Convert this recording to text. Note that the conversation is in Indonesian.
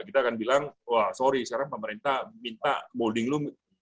kita kan bilang wah sorry sekarang pemerintah minta molding lo